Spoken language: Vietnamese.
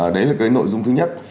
đấy là cái nội dung thứ nhất